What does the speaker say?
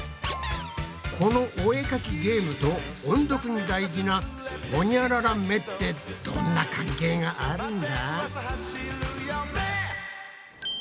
このお絵かきゲームと音読に大事なホニャララめってどんな関係があるんだ？